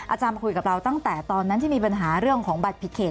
อาจารย์มาคุยกับเราตั้งแต่ตอนนั้นที่มีปัญหาเรื่องของบัตรผิดเขต